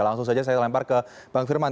langsung saja saya lempar ke bang firman